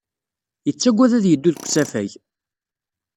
Yettagad ad yeddu deg usafag.